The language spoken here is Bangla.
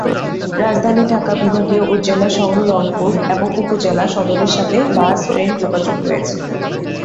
রাজধানী ঢাকা, বিভাগীয় ও জেলা শহর রংপুর এবং উপজেলা সদরের সাথে বাস, ট্রেন যোগাযোগ রয়েছে।